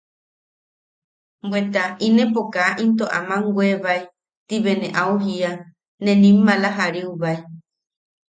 –Bweta inepo kaa into aman weebae –ti bea ne au jiia -ne nim maala jariubae.